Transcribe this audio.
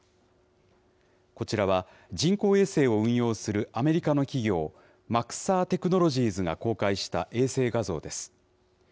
こちらは、人工衛星を運用するアメリカの企業、マクサー・テクノロジーズが公開した衛星画像です。